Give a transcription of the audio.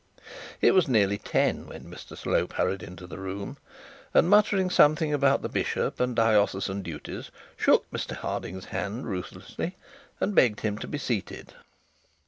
It was nearly ten when Mr Slope hurried into the room, and, muttering something about the bishop and diocesan duties, shook Mr Harding's hand ruthlessly, and begged him to be seated.